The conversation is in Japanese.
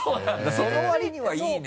その割にはいいね！